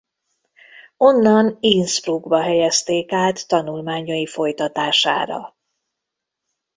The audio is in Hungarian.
Onnan Innsbruckba helyezték át tanulmányai folytatására.